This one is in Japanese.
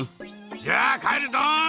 じゃあかえるドン！